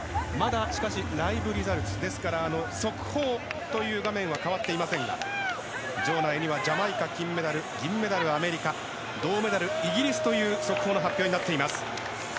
速報という画面は変わっていませんが場内にはジャマイカ、金メダル銀メダル、アメリカ銅メダル、イギリスという速報の発表になっています。